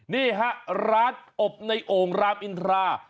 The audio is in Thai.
นี่ฮะร้านอบในโอ่งรามอินทรา